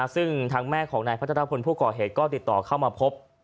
ซึ่งทางแม่ของนายพัฒนาพลผู้ก่อเหตุก็ติดต่อเข้ามาพบ